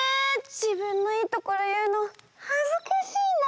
じぶんのいいところいうのはずかしいな。